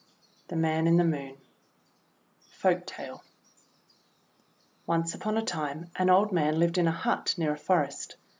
THE MAN IN THE MOON Folktale ONCE upon a time, an old man lived in a hut near a forest.